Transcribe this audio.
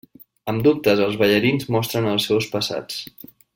Amb dubtes, els ballarins mostren els seus passats.